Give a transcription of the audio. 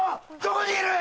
どこにいる？